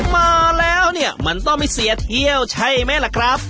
มาแล้วเนี่ยมันต้องไม่เสียเที่ยวใช่ไหมล่ะครับ